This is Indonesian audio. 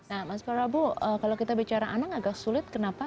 nah mas prabu kalau kita bicara anak agak sulit kenapa